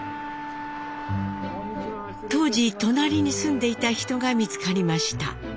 当時隣に住んでいた人が見つかりました。